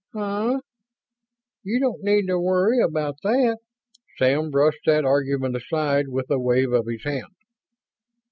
"Huh; you don't need to worry about that." Sam brushed that argument aside with a wave of his hand.